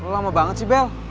lama banget sih bel